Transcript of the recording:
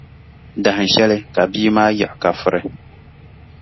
Dahinshɛli, ka bia maa yiɣi ka furi.